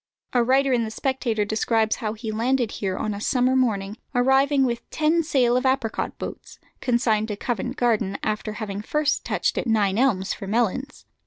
A writer in the Spectator describes how he landed here on a summer morning, arriving with ten sail of apricot boats, consigned to Covent Garden, after having first touched at Nine Elms for melons.